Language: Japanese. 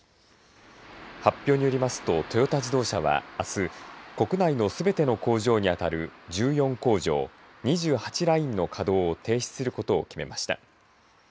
発表によりますとトヨタ自動車はあす、国内のすべての工場にあたる１４工場２８ラインの稼働を停止することを決めました。